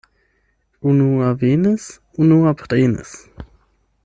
Unua venis, unua prenis.